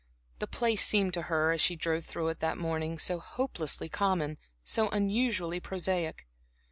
The place seemed to her, as she drove through it that morning, so hopelessly common, so unusually prosaic.